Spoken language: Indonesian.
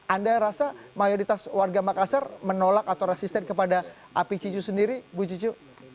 anda rasa mayoritas warga makassar menolak atau resisten kepada api cicu sendiri bu cicu